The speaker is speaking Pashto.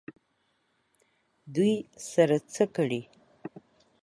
دوی سره څه کړي؟